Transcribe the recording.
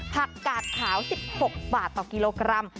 กาดขาว๑๖บาทต่อกิโลกรัม